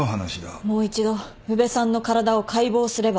もう一度宇部さんの体を解剖すれば。